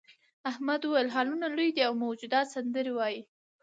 احمد وویل هالونه لوی دي او موجودات سندرې وايي.